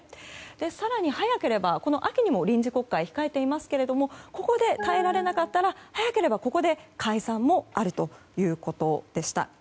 更に早ければ、この秋にも臨時国会が控えていますがここで耐えられなかったら早ければここで解散もあるということでした。